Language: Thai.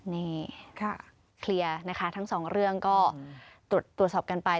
นี่เคลียร์นะคะทั้งสองเรื่องก็ตรวจสอบกันไป